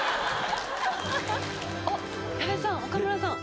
あっ矢部さん岡村さん